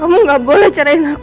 kamu gak boleh ceritain aku